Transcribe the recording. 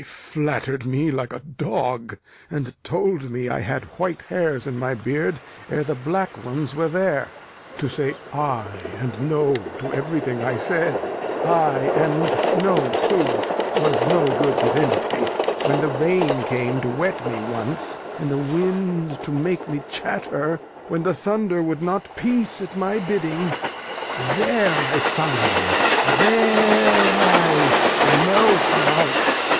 They flatter'd me like a dog, and told me I had white hairs in my beard ere the black ones were there. To say 'ay' and 'no' to everything I said! 'Ay' and 'no' too was no good divinity. When the rain came to wet me once, and the wind to make me chatter; when the thunder would not peace at my bidding; there I found 'em, there I smelt 'em out.